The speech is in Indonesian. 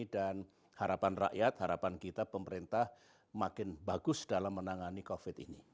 dan harapan rakyat harapan kita pemerintah makin bagus dalam menangani covid sembilan belas ini